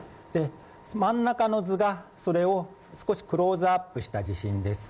真ん中の図が少しそれをクローズアップした地震です。